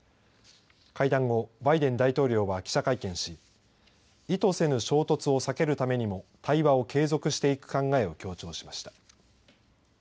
会談後バイデン大統領は記者会見し意図せぬ衝突を避けるために対話を継続していく考えを強調しました。